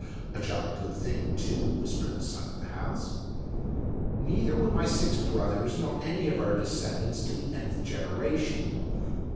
["A jolly good thing, too," whispered the Son of the House.] Neither would my six brothers, nor any of our descendants to the _n_th generation.